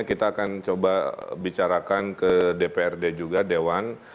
kita akan coba bicarakan ke dprd juga dewan